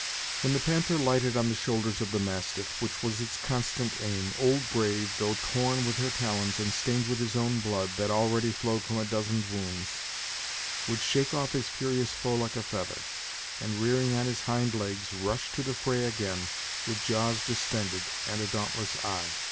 When the panther lighted on the shoulders of the mastiff, which was its constant aim, old Brave, though torn with her talons, and stained with his own blood, that already flowed from a dozen wounds, would shake off his furious foe like a feather, and, rearing on his hind legs, rush to the fray again, with jaws distended, and a dauntless eye.